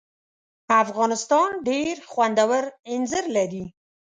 افغانستان ډېر خوندور اینځر لري.